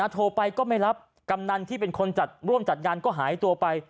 โทรไปก็ไม่รับกำนันที่เป็นคนจัดร่วมจัดงานก็หายตัวไป